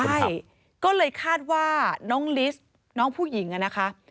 ใช่ก็เลยคาดว่าน้องลิสน้องผู้หญิงอะนะคะ